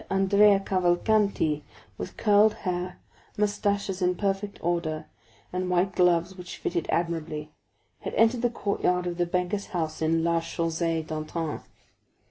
Andrea Cavalcanti, with curled hair, moustaches in perfect order, and white gloves which fitted admirably, had entered the courtyard of the banker's house in Rue de la Chaussée d'Antin.